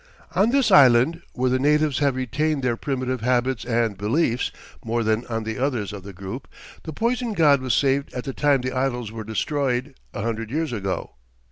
On this island where the natives have retained their primitive habits and beliefs more than on the others of the group, the Poison God was saved at the time the idols were destroyed, a hundred years ago.